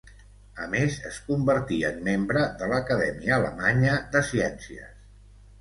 A més, es convertí en membre de l'Acadèmia Alemanya de Ciències.